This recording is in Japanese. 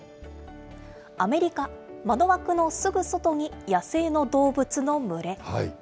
アメリカ、窓枠のすぐ外に野生の動物の群れ。